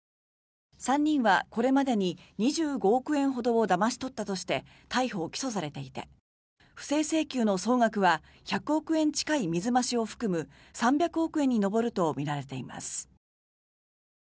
３人はこれまでに２５億円ほどをだまし取ったとして逮捕・起訴されていて不正請求の総額は１００億円近い水増しを含む３００億円に上るとみられています。